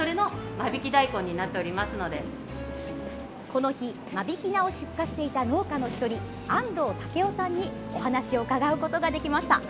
この日、間引き菜を出荷していた農家の１人安藤武夫さんにお話を伺うことができました。